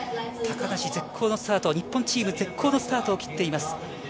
高梨、絶好のスタート、日本チーム、絶好のスタートを切っています。